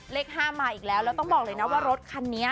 เลข๕มาอีกแล้วแล้วต้องบอกเลยนะว่ารถคันนี้